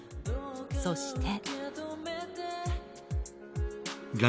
そして。